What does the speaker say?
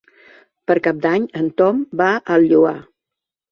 Per Cap d'Any en Tom va al Lloar.